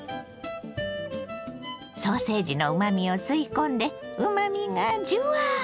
ソーセージのうまみを吸い込んでうまみがジュワッ！